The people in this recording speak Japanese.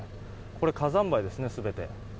これ火山灰ですね、全て。